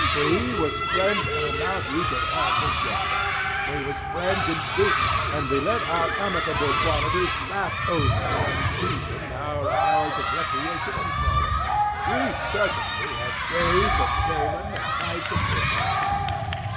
We was friends an amount you could hardly guess at. We was friends in business, and we let our amicable qualities lap over and season our hours of recreation and folly. We certainly had days of Damon and nights of Pythias.